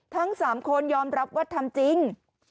ทั้ง๓คนยอมรับว่าทำจริง